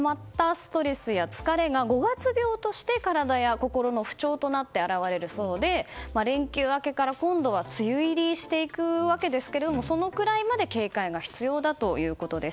ストレスや疲れが五月病として体や心の不調として表れるそうで、連休明けから今度は梅雨入りしていくわけですけどそのくらいまで警戒が必要だということです。